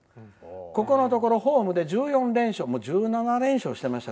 ここのところホームで１４連勝。